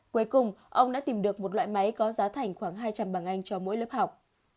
cuối cùng ông đã tìm được một loại máy có giá thành khoảng hai trăm linh bằng anh cho mỗi lớp học